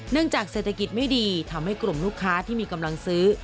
จากเศรษฐกิจไม่ดีทำให้กลุ่มลูกค้าที่มีกำลังซื้อ